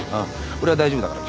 俺は大丈夫だから